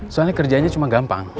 soalnya kerjanya cuma gampang